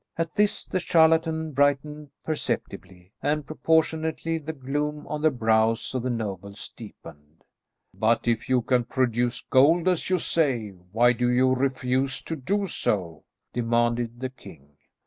At this the charlatan brightened perceptibly, and proportionately the gloom on the brows of the nobles deepened. "But if you can produce gold, as you say, why do you refuse to do so?" demanded the king.